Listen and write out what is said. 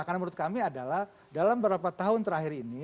karena menurut kami adalah dalam berapa tahun terakhir ini